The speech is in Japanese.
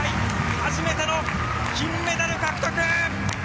初めての金メダル獲得！